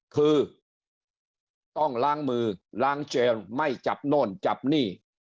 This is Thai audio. คือต้องล้างมือล้างเจนไม่จับโน่นจับนี่